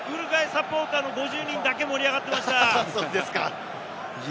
ウルグアイサポーターの５０人だけ盛り上がっていました。